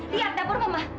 lihat dapur mama